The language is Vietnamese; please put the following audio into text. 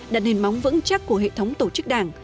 đặt nền móng vững chắc của hệ thống tổ chức đảng